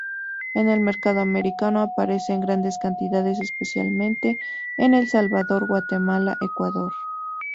En el mercado americano, aparece en grandes cantidades, especialmente en El Salvador, Guatemala, Ecuador.